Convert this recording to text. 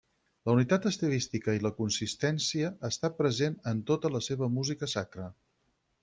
La unitat estilística i la consistència està present en tota la seva música sacra.